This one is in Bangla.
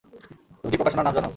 তুমি কি প্রকাশনার নাম জানো?